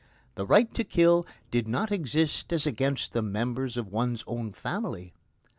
The right to kill did not exist as against the members of one's own family.